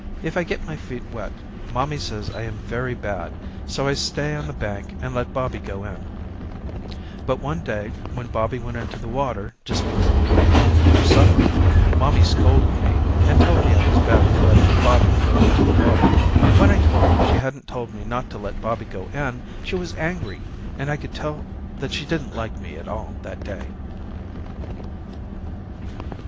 If I get my feet wet mommy says I am very bad so I stay on the bank and let Bobby go in, but one day when Bobby went into the water just before we went home for supper mommy scolded me and told me I was bad for letting Bobby go into the water and when I told her she hadn't told me not to let Bobby go in she was angry and I could tell that she didn't like me at all that day.